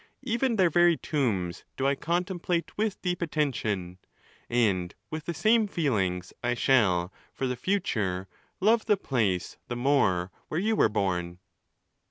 Even their very tombs do I contemplate with deep attention. And with the same feelings, I shall for the future love the place the more where you were born.